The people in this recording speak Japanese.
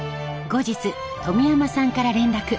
後日富山さんから連絡。